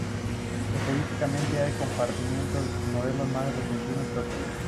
Estadísticamente, hay comportamientos o modelos más repetidos que otros.